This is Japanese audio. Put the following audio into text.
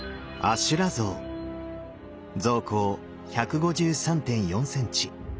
像高１５３．４センチ。